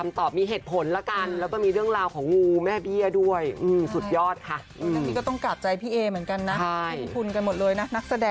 นานนานทีเนอะนานนานทีเนอะ